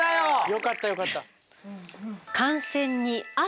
よかったよかった。